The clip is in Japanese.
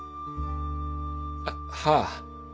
あっはあ。